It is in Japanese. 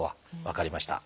分かりました。